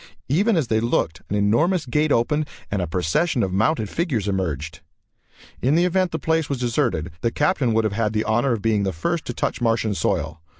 Even as they looked an enormous gate opened and a procession of mounted figures emerged. In the event the place was deserted, the Captain would have had the honor of being the first to touch Martian soil.